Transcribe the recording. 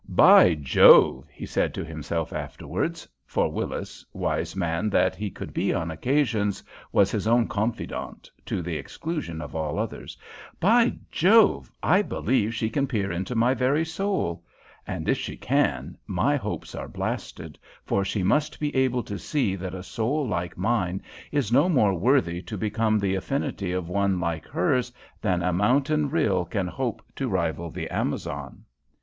"By Jove!" he said to himself afterwards for Willis, wise man that he could be on occasions, was his own confidant, to the exclusion of all others "by Jove! I believe she can peer into my very soul; and if she can, my hopes are blasted, for she must be able to see that a soul like mine is no more worthy to become the affinity of one like hers than a mountain rill can hope to rival the Amazon."